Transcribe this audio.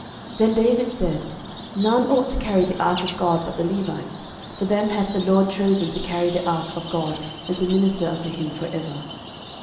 13:015:002 Then David said, None ought to carry the ark of God but the Levites: for them hath the LORD chosen to carry the ark of God, and to minister unto him for ever.